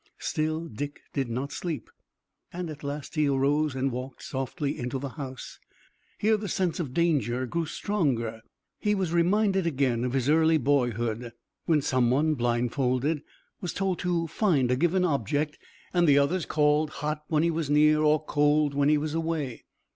Still, Dick did not sleep, and at last he arose and walked softly into the house. Here the sense of danger grew stronger. He was reminded again of his early boyhood, when some one blindfolded was told to find a given object, and the others called "hot" when he was near or "cold" when he was away.